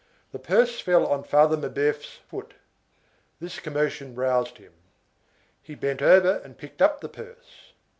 The purse fell on Father Mabeuf's foot. This commotion roused him. He bent over and picked up the purse.